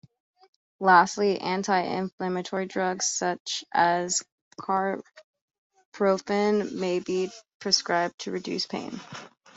Lastly, anti-inflammatory drugs such as carprofen may be prescribed to reduce pain.